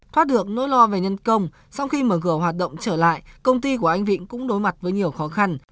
thoát được nỗi lo về nhân công sau khi mở cửa hoạt động trở lại công ty của anh vịnh cũng đối mặt với nhiều khó khăn